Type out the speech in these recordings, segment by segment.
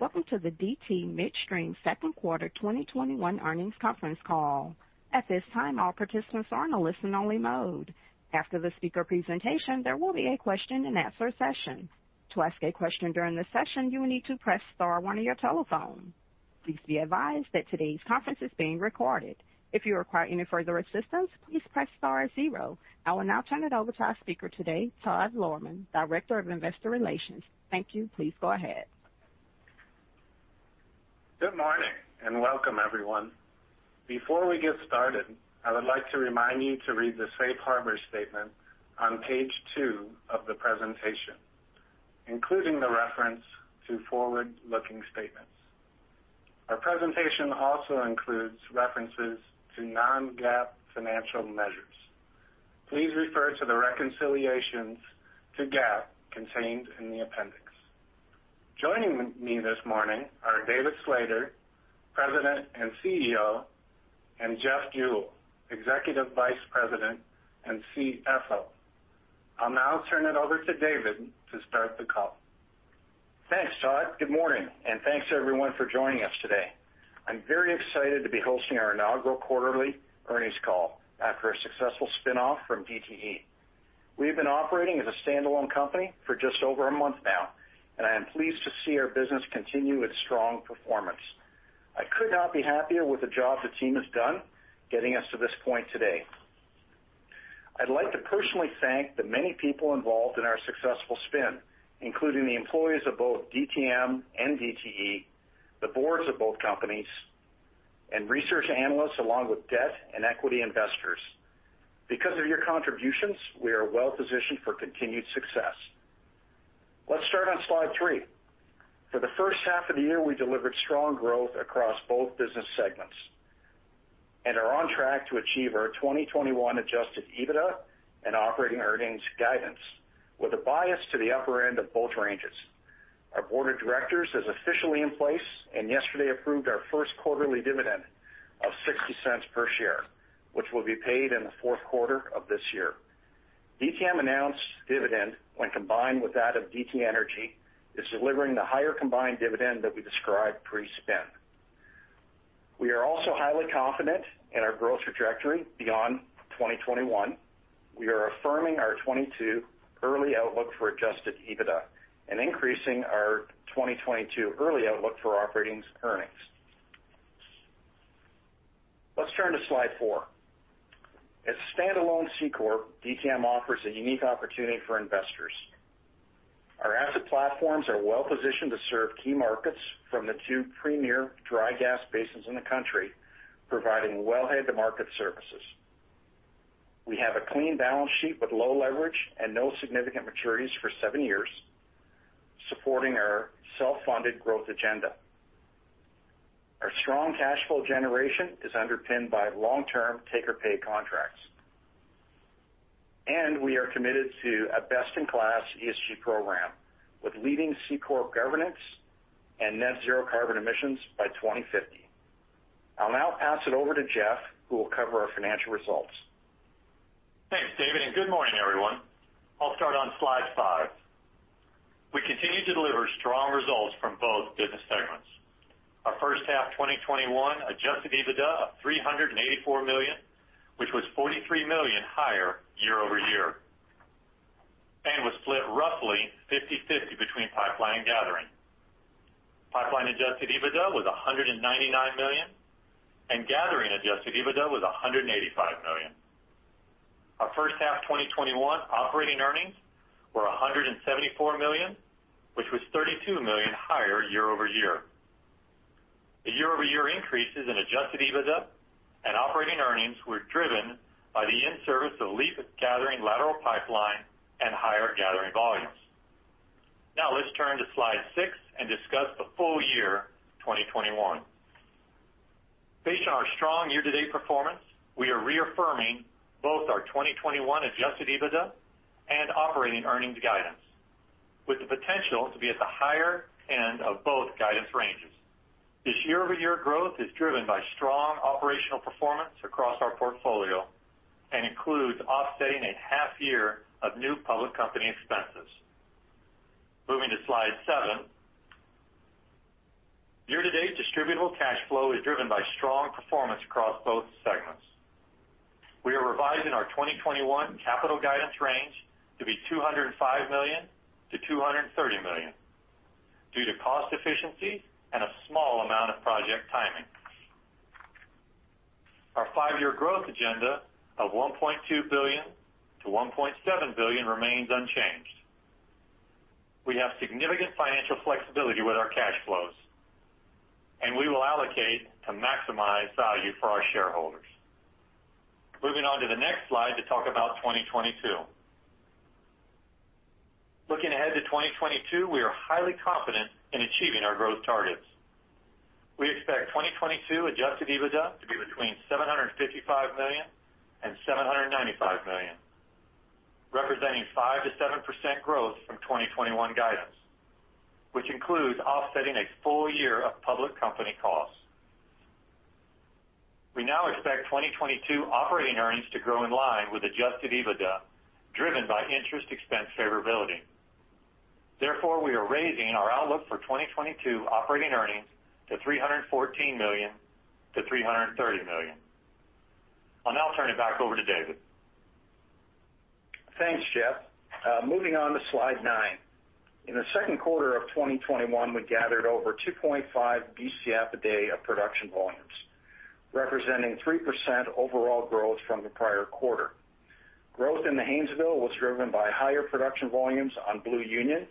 Welcome to the DT Midstream second quarter 2021 earnings conference call. At this time, all participants are in listen-only mode. After the speaker presentation. There will be a question-and-answer session. To ask a question during the session, you will need to press star one on your telephone. Please be advised that today's conference is being recorded. If you need further assistance, please press star zero. I will now turn it over to our speaker today, Todd Lohrmann, Director of Investor Relations. Thank you. Please go ahead. Good morning, and welcome, everyone. Before we get started, I would like to remind you to read the safe harbor statement on page two of the presentation, including the reference to forward-looking statements. Our presentation also includes references to non-GAAP financial measures. Please refer to the reconciliations to GAAP contained in the appendix. Joining me this morning are David Slater, President and CEO, and Jeff Jewell, Executive Vice President and CFO. I'll now turn it over to David to start the call. Thanks, Todd. Good morning, and thanks, everyone, for joining us today. I'm very excited to be hosting our inaugural quarterly earnings call after a successful spin-off from DTE. We've been operating as a standalone company for just over a month now, and I'm pleased to see our business continue its strong performance. I could not be happier with the job the team has done getting us to this point today. I'd like to personally thank the many people involved in our successful spin, including the employees of both DTM and DTE, the boards of both companies, and research analysts, along with debt and equity investors. Because of your contributions, we are well positioned for continued success. Let's turn on slide three. For the first half of the year, we delivered strong growth across both business segments. Are on track to achieve our 2021 adjusted EBITDA and operating earnings guidance with a bias to the upper end of both ranges. Our board of directors is officially in place and yesterday approved our first quarterly dividend of $0.60 per share, which will be paid in the fourth quarter of this year. DTM announced dividend, when combined with that of DTE Energy, is delivering the higher combined dividend that we described pre-spin. We are also highly confident in our growth trajectory beyond 2021. We are affirming our 2022 early outlook for adjusted EBITDA and increasing our 2022 early outlook for operating earnings. Let's turn to slide four. As a standalone C-corp, DTM offers a unique opportunity for investors. Our asset platforms are well positioned to serve key markets from the two premier dry gas basins in the country, providing well-headed market services. We have a clean balance sheet with low leverage and no significant maturities for seven years, supporting our self-funded growth agenda. Our strong cash flow generation is underpinned by long-term take-or-pay contracts, and we are committed to a best-in-class ESG program with leading C-corp governance and net zero carbon emissions by 2050. I'll now pass it over to Jeff, who will cover our financial results. Thanks, David. Good morning, everyone. I'll start on slide five. We continue to deliver strong results from both business segments. Our first half 2021 adjusted EBITDA of $384 million, which was $43 million higher year-over-year, was split roughly 50/50 between pipeline and gathering. Pipeline adjusted EBITDA was $199 million, and gathering adjusted EBITDA was $185 million. Our first half 2021 operating earnings were $174 million, which was $32 million higher year-over-year. The year-over-year increases in adjusted EBITDA and operating earnings were driven by the in-service of LEAP gathering lateral pipeline and higher gathering volumes. Let's turn to slide six and discuss the full year 2021. Based on our strong year-to-date performance, we are reaffirming both our 2021 adjusted EBITDA and operating earnings guidance with the potential to be at the higher end of both guidance ranges. This year-over-year growth is driven by strong operational performance across our portfolio and includes offsetting a half year of new public company expenses. Moving to slide seven. Year-to-date distributable cash flow is driven by strong performance across both segments. We are revising our 2021 capital guidance range to be $205 million-$230 million due to cost efficiency and a small amount of project timing. Our five-year growth agenda of $1.2 billion-$1.7 billion remains unchanged. We have significant financial flexibility with our cash flows, and we will allocate to maximize value for our shareholders. Moving on to the next slide to talk about 2022. Looking ahead to 2022, we are highly confident in achieving our growth targets. We expect 2022 adjusted EBITDA to be between $755 million and $795 million, representing 5%-7% growth from 2021 guidance, which includes offsetting a full year of public company costs. We now expect 2022 operating earnings to grow in line with adjusted EBITDA, driven by interest expense favorability. Therefore, we are raising our outlook for 2022 operating earnings to $314 million-$330 million. I'll now turn it back over to David. Thanks, Jeff. Moving on to slide nine. In the second quarter of 2021, we gathered over 2.5 Bcf/d of production volumes, representing 3% overall growth from the prior quarter. Growth in the Haynesville was driven by higher production volumes on Blue Union,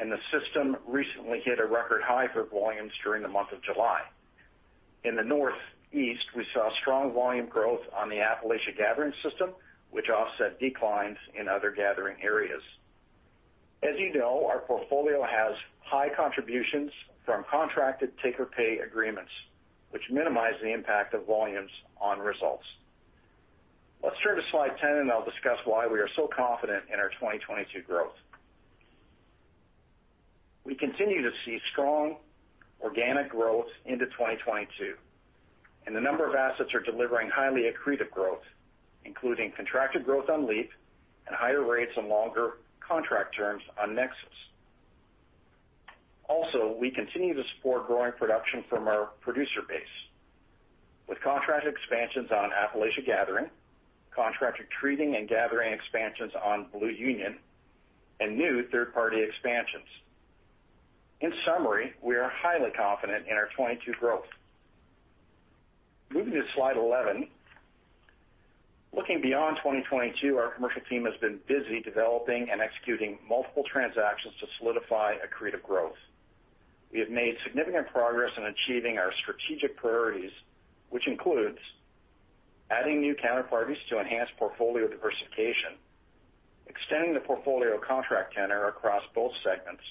and the system recently hit a record high for volumes during the month of July. In the Northeast, we saw strong volume growth on the Appalachia Gathering System, which offset declines in other gathering areas. As you know, our portfolio has high contributions from contracted take-or-pay agreements, which minimize the impact of volumes on results. Let's turn to slide 10, and I'll discuss why we are so confident in our 2022 growth. We continue to see strong organic growth into 2022. The number of assets is delivering highly accretive growth, including contracted growth on LEAP and higher rates and longer contract terms on Nexus. We continue to support growing production from our producer base with contract expansions on Appalachia Gathering, contracted treating and gathering expansions on Blue Union, and new third-party expansions. In summary, we are highly confident in our 2022 growth. Moving to slide 11. Looking beyond 2022, our commercial team has been busy developing and executing multiple transactions to solidify accretive growth. We have made significant progress in achieving our strategic priorities, which includes adding new counterparties to enhance portfolio diversification, extending the portfolio contract tenor across both segments,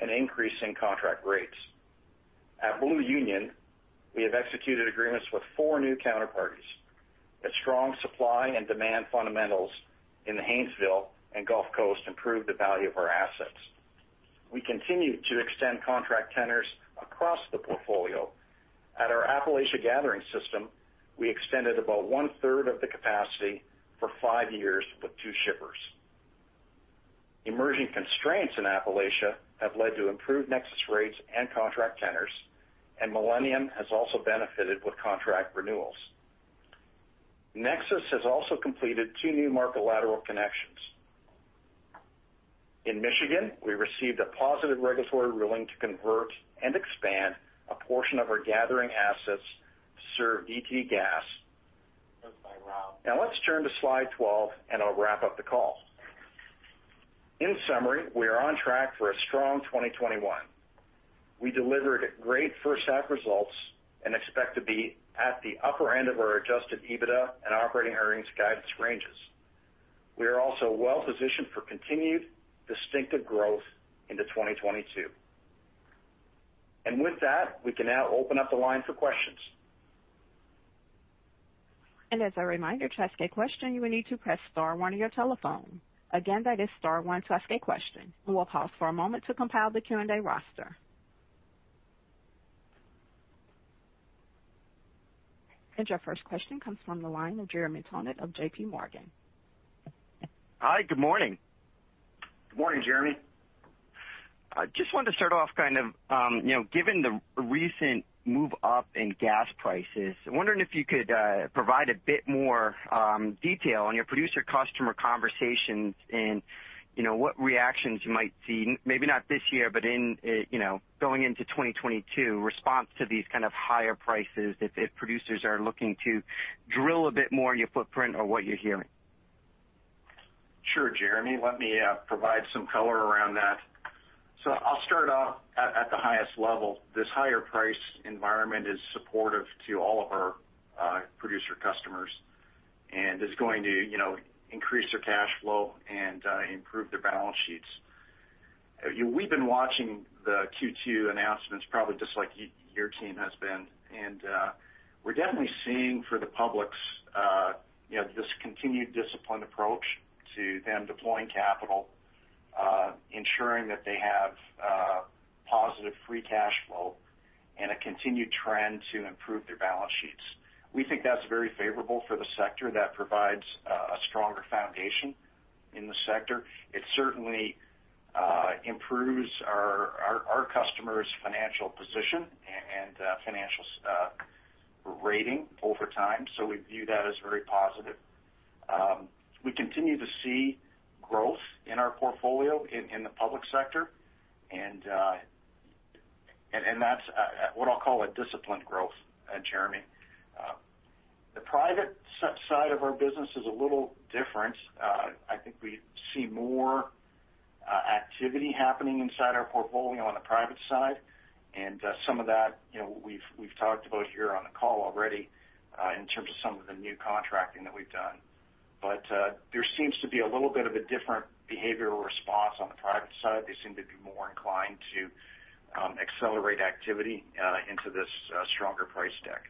and increasing contract rates. At Blue Union, we have executed agreements with four new counterparties as strong supply and demand fundamentals in the Haynesville and Gulf Coast improve the value of our assets. We continue to extend contract tenors across the portfolio. At our Appalachia Gathering System, we extended about 1/3 of the capacity for five years with two shippers. Emerging constraints in Appalachia have led to improved Nexus rates and contract tenors, and Millennium has also benefited with contract renewals. Nexus has also completed two new market lateral connections. In Michigan, we received a positive regulatory ruling to convert and expand a portion of our gathering assets to serve DTE Gas. Now let's turn to slide 12, and I'll wrap up the call. In summary, we are on track for a strong 2021. We delivered great first-half results and expect to be at the upper end of our adjusted EBITDA and operating earnings guidance ranges. We are also well positioned for continued distinctive growth into 2022. With that, we can now open up the line for questions. As a reminder, to ask a question, you will need to press star one on your telephone. Again, that is star one to ask a question. We will pause for a moment to compile the Q&A roster. Your first question comes from the line of Jeremy Tonet of JPMorgan. Hi, good morning. Good morning, Jeremy. I just wanted to start off, given the recent move up in gas prices, I'm wondering if you could provide a bit more detail on your producer-customer conversations and what reactions you might see, maybe not this year, but going into 2022, response to these kind of higher prices if producers are looking to drill a bit more in your footprint or what you're hearing? Sure, Jeremy, let me provide some color around that. I'll start off at the highest level. This higher price environment is supportive to all of our producer customers and is going to increase their cash flow and improve their balance sheets. We've been watching the Q2 announcements probably just like your team has been, and we're definitely seeing for the publics this continued disciplined approach to them deploying capital, ensuring that they have positive free cash flow, and a continued trend to improve their balance sheets. We think that's very favorable for the sector. That provides a stronger foundation in the sector. It certainly improves our customers' financial position and financial rating over time. We view that as very positive. We continue to see growth in our portfolio in the public sector, and that's what I'll call a disciplined growth, Jeremy. The private side of our business is a little different. I think we see more activity happening inside our portfolio on the private side; some of that we've talked about here on the call already in terms of some of the new contracting that we've done. There seems to be a little bit of a different behavioral response on the private side. They seem to be more inclined to accelerate activity into this stronger price deck.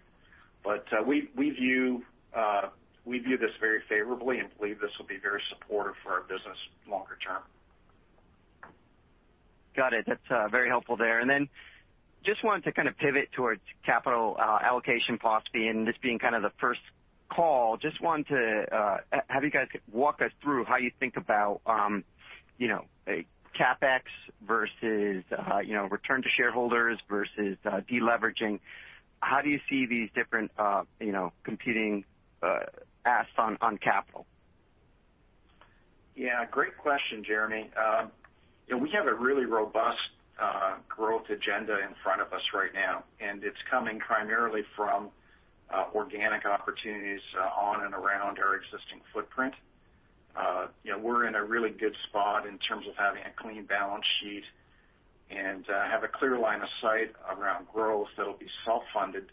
We view this very favorably and believe this will be very supportive for our business longer term. Got it. That's very helpful there. Just wanted to kind of pivot towards capital allocation policy, and this being kind of the first call, just wanted to have you guys walk us through how you think about CapEx versus return to shareholders versus deleveraging. How do you see these different competing asks on capital? Great question, Jeremy. We have a really robust growth agenda in front of us right now, and it's coming primarily from organic opportunities on and around our existing footprint. We're in a really good spot in terms of having a clean balance sheet and have a clear line of sight around growth that'll be self-funded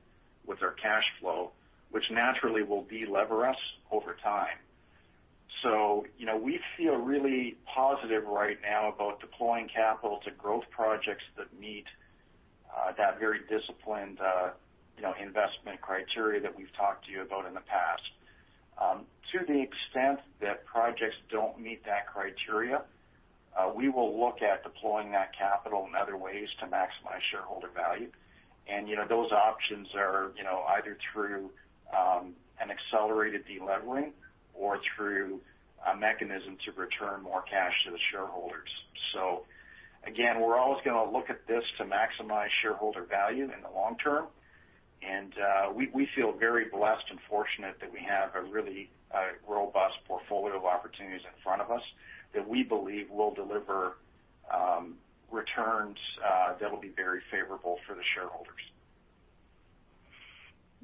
with our cash flow, which naturally will de-lever us over time. We feel really positive right now about deploying capital to growth projects that meet that very disciplined investment criteria that we've talked to you about in the past. To the extent that projects don't meet that criteria, we will look at deploying that capital in other ways to maximize shareholder value. Those options are either through an accelerated de-levering or through a mechanism to return more cash to the shareholders. Again, we're always going to look at this to maximize shareholder value in the long term. We feel very blessed and fortunate that we have a really robust portfolio of opportunities in front of us that we believe will deliver returns that will be very favorable for the shareholders.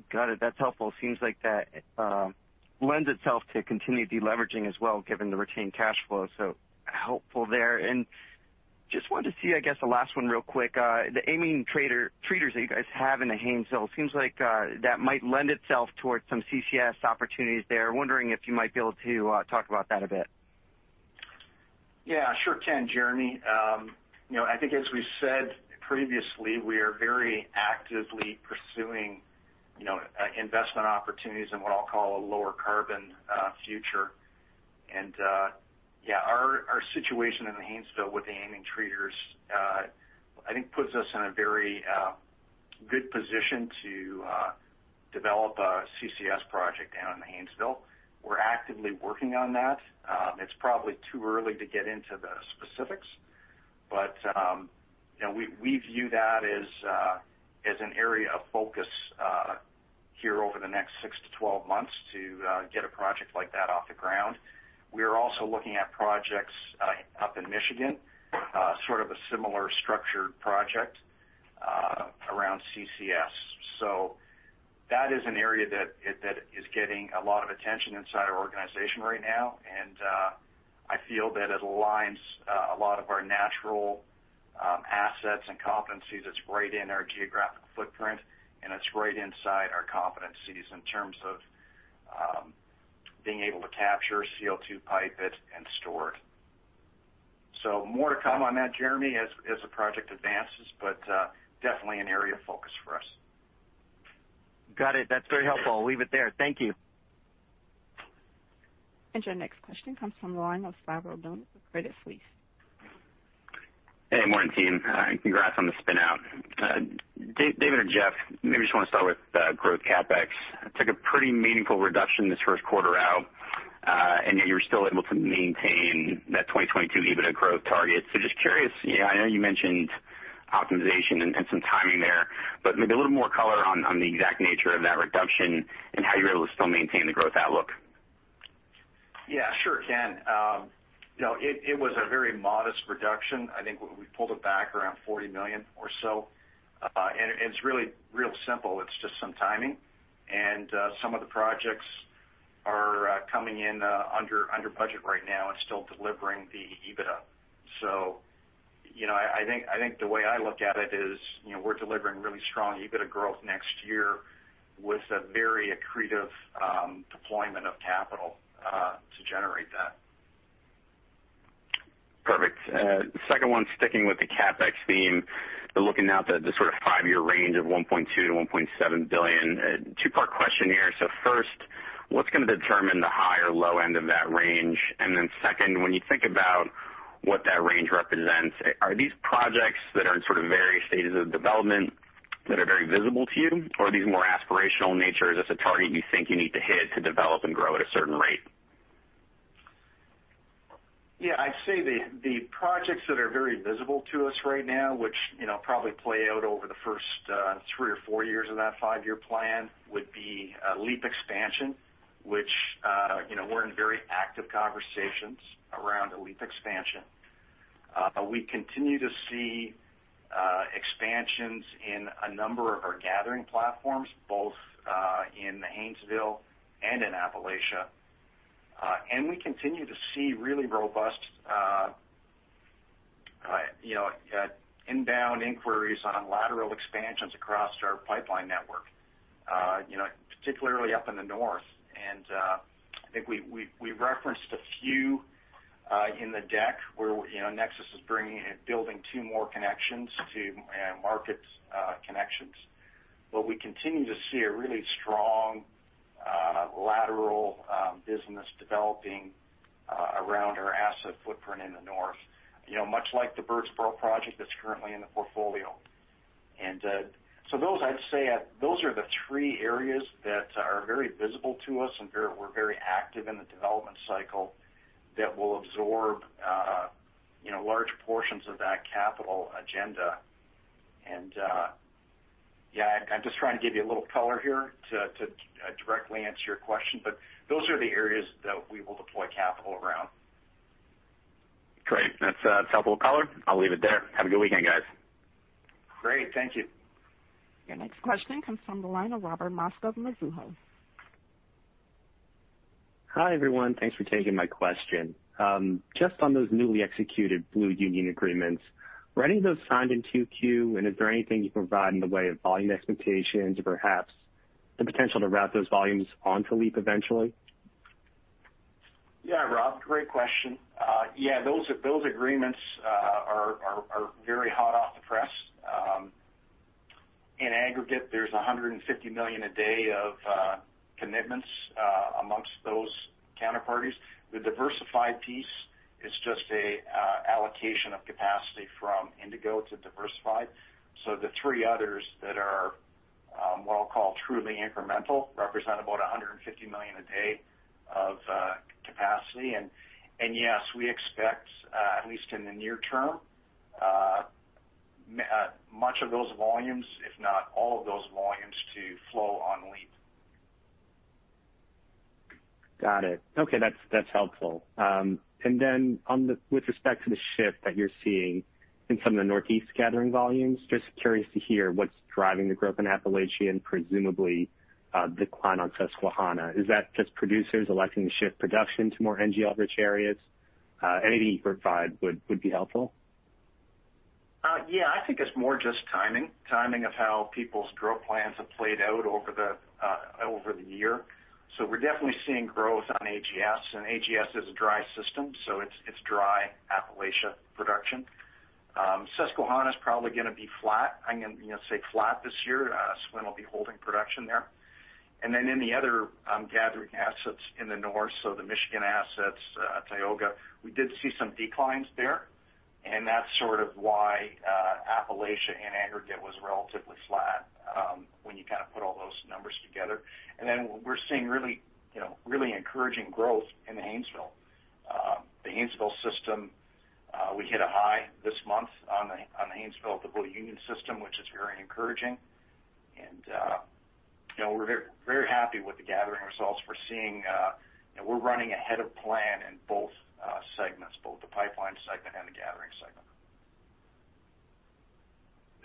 Got it. That's helpful. Seems like that lends itself to continued deleveraging as well, given the retained cash flow. Helpful there. Just wanted to see, I guess, the last one real quick. The amine treaters that you guys have in the Haynesville seem like they might lend itself towards some CCS opportunities there. Wondering if you might be able to talk about that a bit. Yeah, sure can, Jeremy. I think, as we said previously, we are very actively pursuing investment opportunities in what I'll call a lower carbon future. Yeah, our situation in the Haynesville with the amine treaters, I think, puts us in a very good position to develop a CCS project down in Haynesville. We're actively working on that. It's probably too early to get into the specifics, but we view that as an area of focus here over the next 6-12 months to get a project like that off the ground. We are also looking at projects up in Michigan, sort of a similar structured project around CCS. That is an area that is getting a lot of attention inside our organization right now, and I feel that it aligns a lot of our natural assets and competencies. It's right in our geographic footprint, and it's right inside our competencies in terms of being able to capture CO2, pipe it and store it. More to come on that, Jeremy, as the project advances, but definitely an area of focus for us. Got it. That's very helpful. I'll leave it there. Thank you. Your next question comes from the line of Spiro Dounis, Credit Suisse. Hey, morning team. Congrats on the spin-out. David or Jeff, maybe just want to start with growth CapEx. It took a pretty meaningful reduction this first quarter out. Yet you were still able to maintain that 2022 EBITDA growth target. Just curious, I know you mentioned optimization and some timing there, but maybe a little more color on the exact nature of that reduction and how you're able to still maintain the growth outlook. Yeah, sure can. It was a very modest reduction. I think we pulled it back around $40 million or so. It's really, really simple. It's just some timing. Some of the projects are coming in under budget right now and still delivering the EBITDA. I think the way I look at it is we're delivering really strong EBITDA growth next year with a very accretive deployment of capital to generate that. Perfect. Second one, sticking with the CapEx theme, but looking out the sort of five-year range of $1.2 billion-$1.7 billion. Two-part question here. First, what's going to determine the high or low end of that range? Second, when you think about what that range represents, are these projects that are in sort of various stages of development that are very visible to you, or are these more aspirational in nature? Is this a target you think you need to hit to develop and grow at a certain rate? Yeah. I'd say the projects that are very visible to us right now, which probably play out over the first three or four years of that five-year plan, would be a LEAP expansion, which we're in very active conversations around a LEAP expansion. We continue to see expansions in a number of our gathering platforms, both in the Haynesville and in Appalachia. We continue to see really robust inbound inquiries on lateral expansions across our pipeline network, particularly up in the north. I think I referenced a few in the deck where Nexus is building two more connections to market connections. We continue to see a really strong lateral business developing around our asset footprint in the north. Much like the Birdsboro project that's currently in the portfolio. Those, I'd say, are the three areas that are very visible to us, and we're very active in the development cycle that will absorb large portions of that capital agenda. I'm just trying to give you a little color here to directly answer your question, but those are the areas that we will deploy capital around. Great. That's a helpful color. I'll leave it there. Have a good weekend, guys. Great. Thank you. Your next question comes from the line of Robert Mosca, Mizuho. Hi, everyone. Thanks for taking my question. Just on those newly executed Blue Union agreements, were any of those signed in 2Q, and is there anything you can provide in the way of volume expectations or perhaps the potential to route those volumes onto LEAP eventually? Yeah, Rob, great question. Yeah, those agreements are very hot off the press. In aggregate, there's 150 million a day of commitments amongst those counterparties. The Diversified Energy Company piece is just an allocation of capacity from Indigo Natural Resources to Diversified Energy Company. The three others that are what I'll call truly incremental represent about 150 million a day of capacity. Yes, we expect, at least in the near term, much of those volumes, if not all of those volumes, to flow on LEAP. Got it. Okay. That's helpful. With respect to the shift that you're seeing in some of the Northeast gathering volumes, I'm just curious to hear what's driving the growth in Appalachia and presumably the decline in Susquehanna. Is that just producers electing to shift production to more NGL-rich areas? Anything you could provide would be helpful. Yeah, I think it's more just timing. Timing of how people's drill plans have played out over the year. We're definitely seeing growth on AGS. AGS is a dry system, so it's dry Appalachia production. Susquehanna is probably going to be flat. I'm going to say flat this year. SWN will be holding production there. In the other gathering assets in the north, so the Michigan assets, Tioga, we did see some declines there, and that's sort of why Appalachia in aggregate was relatively flat when you kind of put all those numbers together. We're seeing really encouraging growth in the Haynesville. The Haynesville system, we hit a high this month on the Haynesville to Blue Union system, which is very encouraging. We're very happy with the gathering results. We're running ahead of plan in both segments, both the pipeline segment and the gathering segment.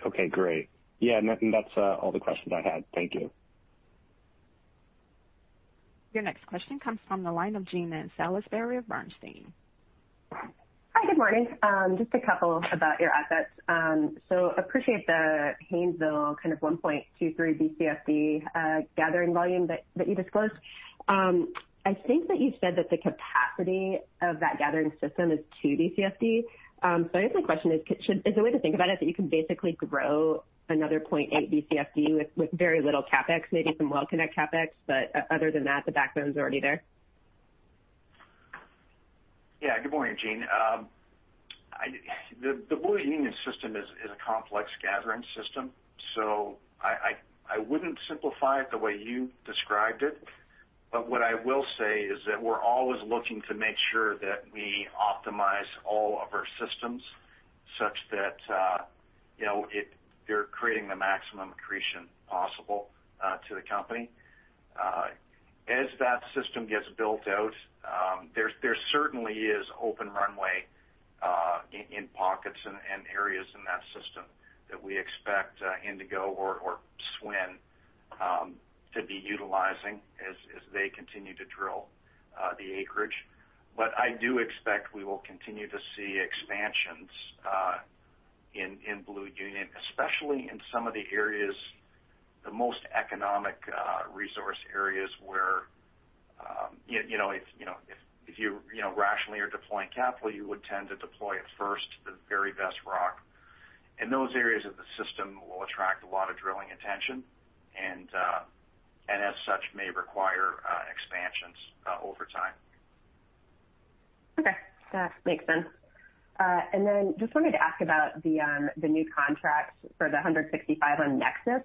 Okay, great. Yeah, that's all the questions I had. Thank you. Your next question comes from the line of Jean Ann Salisbury of Bernstein. Hi. Good morning. Just a couple about your assets. Appreciate the Haynesville kind of 1.23 Bcf/d gathering volume that you disclosed. I think that you said that the capacity of that gathering system is 2 Bcf/d. I guess my question is, is the way to think about it that you can basically grow another 0.8 Bcf/d with very little CapEx, maybe some well connect CapEx, but other than that, the backbone's already there? Good morning, Jean. The Blue Union system is a complex gathering system. I wouldn't simplify it the way you described it. What I will say is that we're always looking to make sure that we optimize all of our systems such that they're creating the maximum accretion possible to the company. As that system gets built out, there certainly is open runway in pockets and areas in that system that we expect Indigo or SWN to be utilizing as they continue to drill the acreage. I do expect we will continue to see expansions in Blue Union, especially in some of the areas, the most economically resourceful areas, where if you rationally are deploying capital, you would tend to deploy it first to the very best rock. Those areas of the system will attract a lot of drilling attention and, as such, may require expansions over time. Okay. That makes sense. Just wanted to ask about the new contracts for the 165 on Nexus.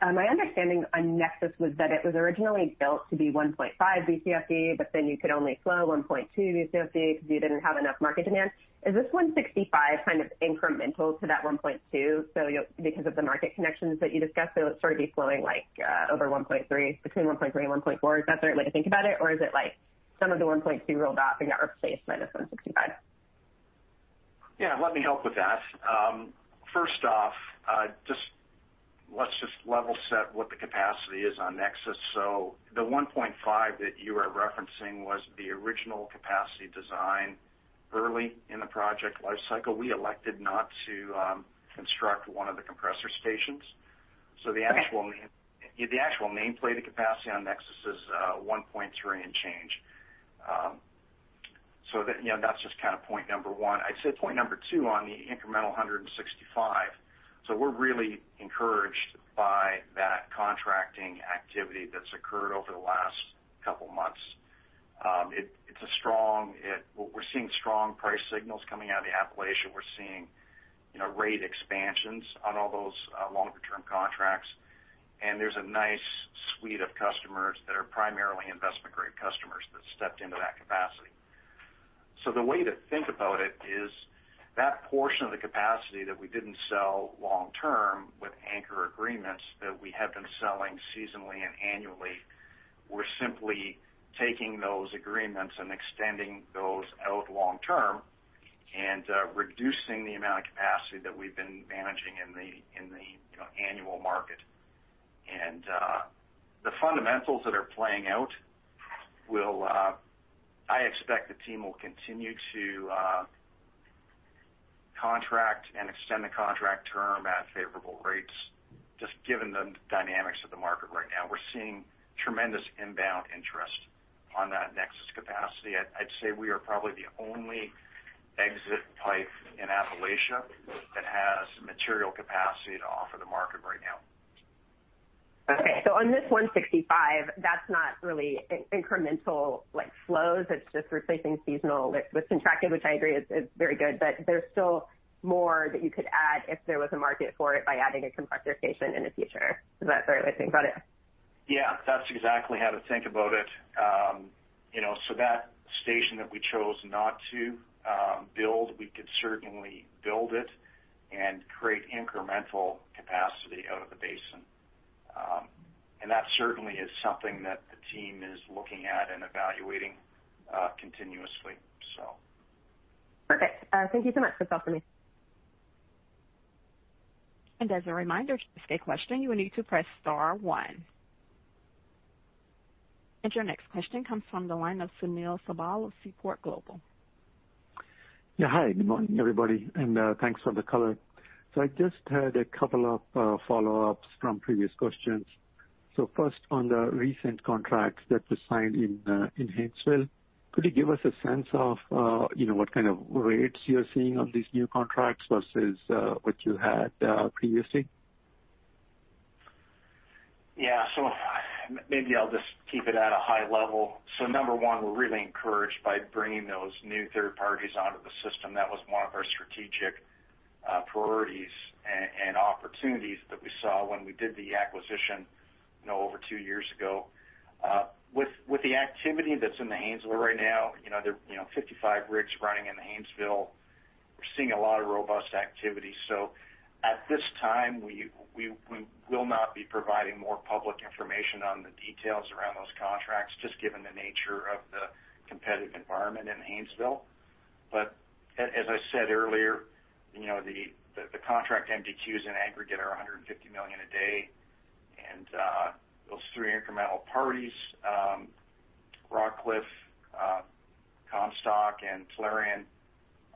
My understanding of Nexus was that it was originally built to be 1.5 Bcf/d; you could only flow 1.2 Bcf/d because you didn't have enough market demand. Is this 165 kind of incremental to that 1.2 Bcf/d? Because of the market connections that you discussed, it would sort of be flowing like over 1.3 Bcf/d, between 1.3 Bcf/d and 1.4 Bcf/d? Is that the right way to think about it? Is it like some of the 1.2 Bcf/d rolled off and got replaced by this 165? Yeah, let me help with that. First off, let's just level set what the capacity is on Nexus. The 1.5 Bcf/d that you are referencing was the original capacity design early in the project life cycle. We elected not to construct one of the compressor stations. Okay. The actual nameplated capacity on Nexus is 1.3 Bcf/d and change. That's just point number one. I'd say point number two on the incremental 165. We're really encouraged by that contracting activity that's occurred over the last couple of months. We're seeing strong price signals coming out of the Appalachia. We're seeing rate expansions on all those longer-term contracts, and there's a nice suite of customers that are primarily investment-grade customers that stepped into that capacity. The way to think about it is that portion of the capacity that we didn't sell long-term with anchor agreements that we had been selling seasonally and annually, we're simply taking those agreements and extending those out long-term and reducing the amount of capacity that we've been managing in the annual market. The fundamentals that are playing out, I expect the team will continue to contract and extend the contract term at favorable rates, just given the dynamics of the market right now. We're seeing tremendous inbound interest on that Nexus capacity. I'd say we are probably the only exit pipe in Appalachia that has material capacity to offer the market right now. Okay. On this 165, that's not really incremental flows. It's just replacing seasonal with contracting, which I agree is very good. There's still more that you could add if there was a market for it by adding a compressor station in the future. Is that the right way to think about it? Yeah, that's exactly how to think about it. That station that we chose not to build, we could certainly build it and create incremental capacity out of the basin. That certainly is something that the team is looking at and evaluating continuously. Perfect. Thank you so much; that's all for me. As a reminder, to ask a question, you will need to press star one. Your next question comes from the line of Sunil Sibal with Seaport Global. Yeah. Hi, good morning, everybody, and thanks for the color. I just had a couple of follow-ups from previous questions. First, on the recent contracts that were signed in Haynesville, could you give us a sense of what kind of rates you're seeing on these new contracts versus what you had previously? Yeah. Maybe I'll just keep it at a high level. Number one, we're really encouraged by bringing those new third parties onto the system. That was one of our strategic priorities and opportunities that we saw when we did the acquisition over two years ago. With the activity that's in the Haynesville right now, there are 55 rigs running in Haynesville. We're seeing a lot of robust activity. At this time, we will not be providing more public information on the details around those contracts, just given the nature of the competitive environment in Haynesville. As I said earlier, the contract MDQs in aggregate are 150 million a day. Those three incremental parties, Rockcliff, Comstock, and Tellurian,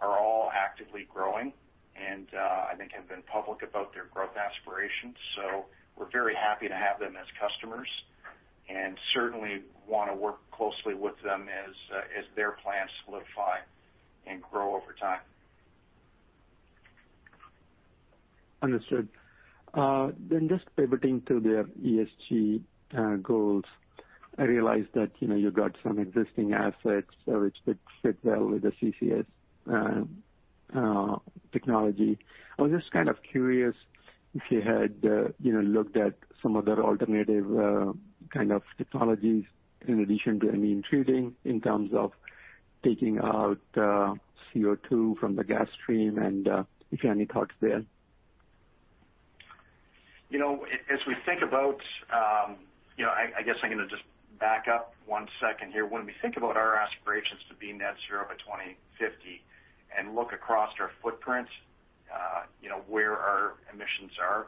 are all actively growing, and I think have been public about their growth aspirations. We're very happy to have them as customers and certainly want to work closely with them as their plans solidify and grow over time. Understood. Just pivoting to the ESG goals. I realize that you have some existing assets that fit well with the CCS technology. I'm just curious if you had looked at some other alternative kinds of technologies in addition to amine treating in terms of taking out CO2 from the gas stream and if you any thoughts there. I guess I'm going to just back up one second here. When we think about our aspirations to be net zero by 2050 and look across our footprint where our emissions are,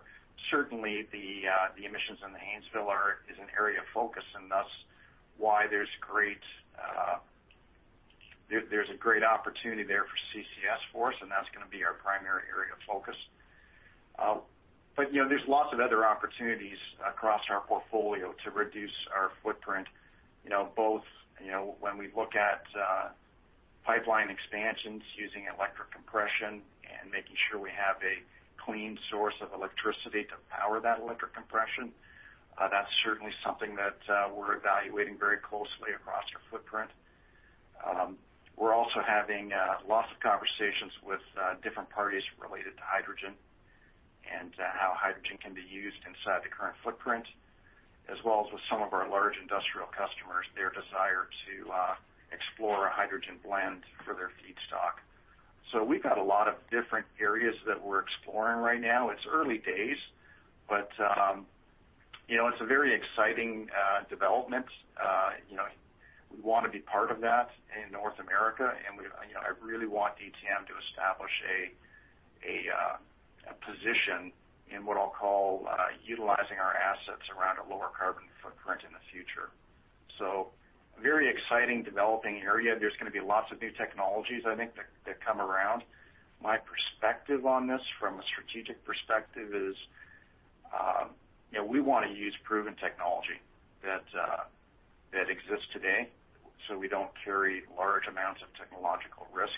certainly the emissions in the Haynesville is an area of focus, and thus why there's a great opportunity there for CCS for us, and that's going to be our primary area of focus. There are lots of other opportunities across our portfolio to reduce our footprint. Both when we look at pipeline expansions using electric compression and making sure we have a clean source of electricity to power that electric compression. That's certainly something that we're evaluating very closely across our footprint. We're also having lots of conversations with different parties related to hydrogen and how hydrogen can be used inside the current footprint, as well as with some of our large industrial customers, their desire to explore a hydrogen blend for their feedstock. We've got a lot of different areas that we're exploring right now. It's early days, but it's a very exciting development. We want to be part of that in North America, and I really want DTM to establish a position in what I'll call utilizing our assets around a lower carbon footprint in the future. A very exciting developing area. There's going to be lots of new technologies, I think, that come around. My perspective on this from a strategic perspective is. We want to use proven technology that exists today so we don't carry large amounts of technological risk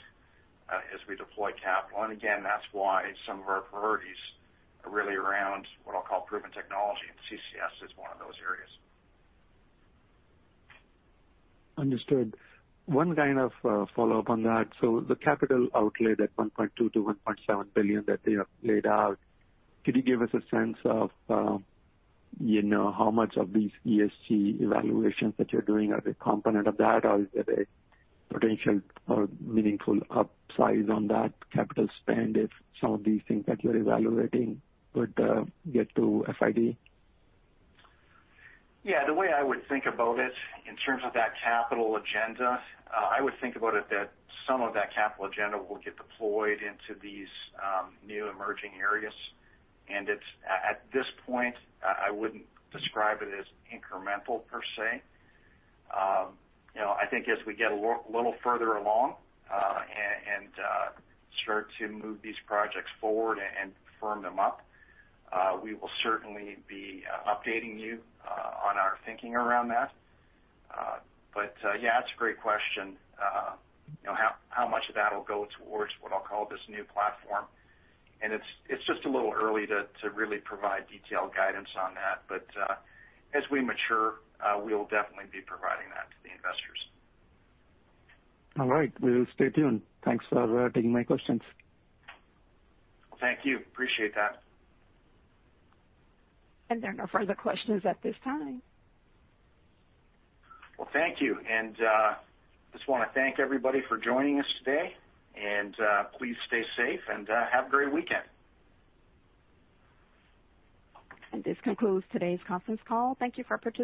as we deploy capital. Again, that's why some of our priorities are really around what I'll call proven technology, and CCS is one of those areas. Understood. One follow-up on that. The capital outlay, that $1.2 billion-$1.7 billion that they have laid out, can you give us a sense of how much of these ESG evaluations that you're doing are the component of that? Or is it a potential or meaningful upsize on that capital spend if some of these things that you're evaluating would get to FID? Yeah. The way I would think about it in terms of that capital agenda, I would think about it that some of that capital agenda will get deployed into these new emerging areas. At this point, I wouldn't describe it as incremental per se. I think as we get a little further along and start to move these projects forward and firm them up, we will certainly be updating you on our thinking around that. It's a great question. How much of that will go towards what I'll call this new platform? It's just a little early to really provide detailed guidance on that. As we mature, we'll definitely be providing that to the investors. All right. We'll stay tuned. Thanks for taking my questions. Thank you. Appreciate that. There are no further questions at this time. Well, thank you. Just want to thank everybody for joining us today, and please stay safe and have a great weekend. This concludes today's conference call. Thank you for participating.